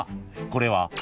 これは。